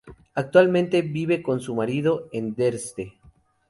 Actualmente vive con su marido en Dresde.